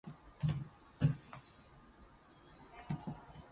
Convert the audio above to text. Climate is divided into two seasons - the wet and the dry.